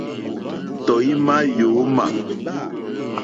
Tɔ̀ímá yǒmà.